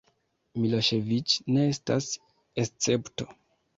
Miloŝeviĉ ne estas escepto.